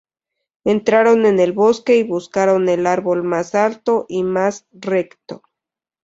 Entraron en el bosque y buscaron el árbol más alto y más recto.